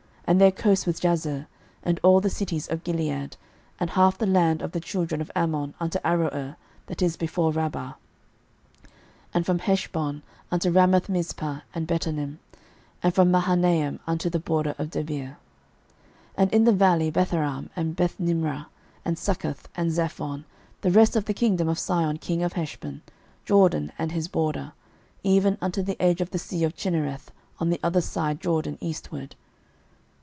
06:013:025 And their coast was Jazer, and all the cities of Gilead, and half the land of the children of Ammon, unto Aroer that is before Rabbah; 06:013:026 And from Heshbon unto Ramathmizpeh, and Betonim; and from Mahanaim unto the border of Debir; 06:013:027 And in the valley, Betharam, and Bethnimrah, and Succoth, and Zaphon, the rest of the kingdom of Sihon king of Heshbon, Jordan and his border, even unto the edge of the sea of Chinnereth on the other side Jordan eastward.